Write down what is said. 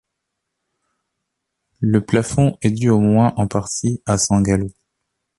Le plafond est dû au moins en partie à Sangallo.